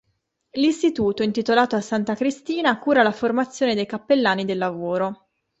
L'istituto, intitolato a "Santa Cristina", cura la formazione dei cappellani del lavoro.